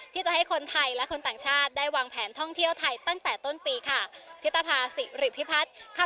ที่จะให้คนไทยและคนต่างชาติได้วางแผนท่องเที่ยวไทยตั้งแต่ต้นปีค่ะ